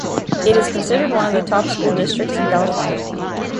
It is considered one of the top school districts in California.